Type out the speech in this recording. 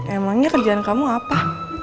emangnya kerjaan kamu apa